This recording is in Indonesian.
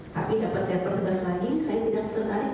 tapi dapat saya pertegas lagi saya tidak tertarik